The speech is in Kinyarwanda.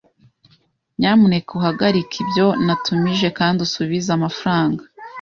Nyamuneka uhagarike ibyo natumije kandi usubize amafaranga.